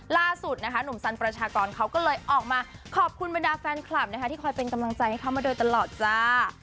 ล่าสุดนะคะหนุ่มสันประชากรเขาก็เลยออกมาขอบคุณบรรดาแฟนคลับนะคะที่คอยเป็นกำลังใจให้เขามาโดยตลอดจ้า